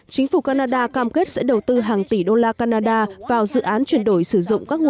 chính phủ canada cam kết sẽ đầu tư hàng tỷ đô la canada vào dự án chuyển đổi sử dụng các nguồn